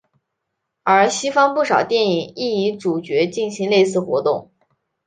而西方不少电影亦以主角进行类似活动。